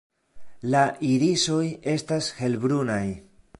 La irisoj estas helbrunaj.